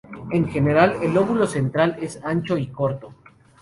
En general, el lóbulo central es ancho y corto.